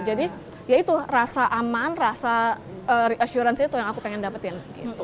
jadi ya itu rasa aman rasa reassurance itu yang aku pengen dapetin